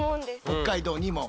北海道にも。